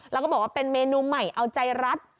แล้วก็บอกว่าเป็นเมนูใหม่เอาใจรัฐ